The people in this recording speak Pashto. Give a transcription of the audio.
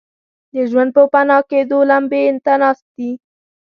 د ژوند پوپناه کېدو لمبې ته ناست دي.